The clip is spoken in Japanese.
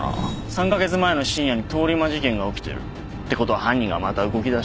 ３カ月前の深夜に通り魔事件が起きてる。ってことは犯人がまた動きだした。